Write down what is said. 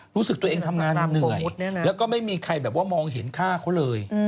รู้สึกตัวเองทำงานเหนื่อยแล้วก็ไม่มีใครแบบว่ามองเห็นฆ่าเขาเลย